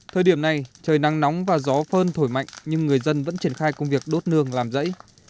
thời điểm này trời nắng nóng và gió phơn thổi mạnh nhưng người dân vẫn triển khai công việc đốt nương làm rẫy